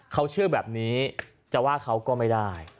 เขาเชื่อแบบนี้จะว่าเขาก็ไม่ได้